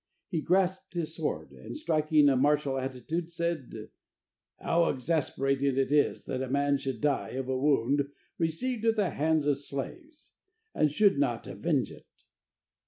He grasped his sword, and striking a martial attitude, said: "How exasperating it is that a man should die of a wound received at the hands of slaves, and should not avenge it!"